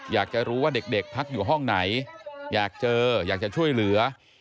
อยากจะรู้ว่าเด็กพักอยู่ห้องไหนอยากเจออยากจะช่วยเหลือ